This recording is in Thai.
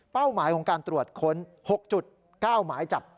หมายของการตรวจค้น๖๙หมายจับ